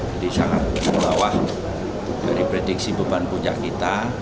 jadi sangat dibawah dari prediksi beban puncak kita